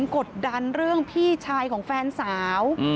กดดันเรื่องพี่ชายของแฟนสาว